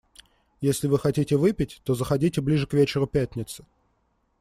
Если вы хотите выпить, то заходите ближе к вечеру пятницы.